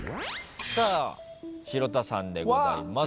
さあ城田さんでございます。